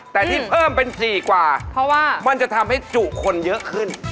แต่ที่เพิ่มเป็น๔กว่าเพราะว่ามันจะทำให้จุคนเยอะขึ้น